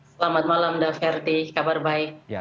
selamat malam dave kabar baik